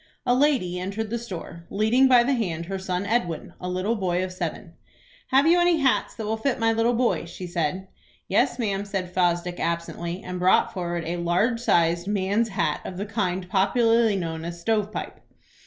A lady entered the store, leading by the hand her son Edwin, a little boy of seven. "Have you any hats that will fit my little boy?" she said. "Yes, ma'am," said Fosdick, absently, and brought forward a large sized man's hat, of the kind popularly known as "stove pipe."